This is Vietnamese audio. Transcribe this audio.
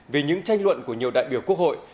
vì những tranh luận của nhiều đại biểu quốc hội